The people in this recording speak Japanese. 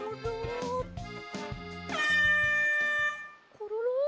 コロロ？